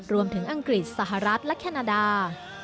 รวมถึงอังกฤษสหรัฐและแคนาดา